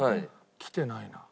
きてないな。